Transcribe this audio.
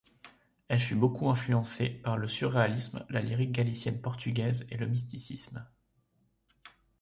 Elle fut beaucoup influencée par le surréalisme, la lyrique galicienne-portugaise et le mysticisme.